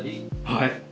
はい。